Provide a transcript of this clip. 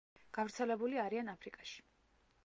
გავრცელებული არიან აფრიკაში.